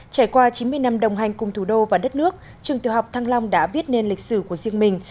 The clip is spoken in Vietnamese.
trải qua chín mươi năm đồng hành cùng thủ đô và đất nước trường tiểu học thăng long đã viết nên lịch sử của riêng mình